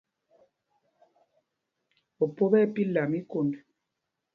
Opo ɓɛ́ ɛ́ pilla míkond.